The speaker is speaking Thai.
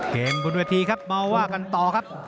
เพลงบุญวธีครับมาว่ากันต่อครับ